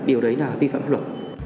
điều đấy là vi phạm luật